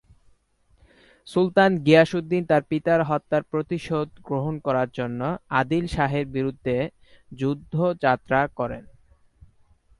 সুলতান গিয়াসউদ্দীন তাঁর পিতার হত্যার প্রতিশোধ গ্রহণ করার জন্য আদিল শাহের বিরুদ্ধে যুদ্ধযাত্রা করেন।